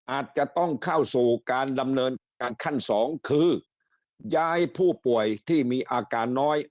อาจจะต้องเข้าสู่การดำเนินการขั้นสองคือย้ายผู้ป่วยที่มีอาการน้อย